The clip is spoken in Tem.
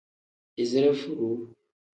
Izire furuu.